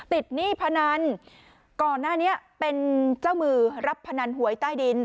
หนี้พนันก่อนหน้านี้เป็นเจ้ามือรับพนันหวยใต้ดิน